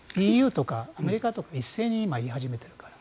ＥＵとかアメリカとか一斉に言い始めているから。